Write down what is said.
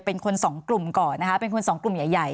เป็นคนสองกลุ่มก่อนนะคะเป็นคนสองกลุ่มใหญ่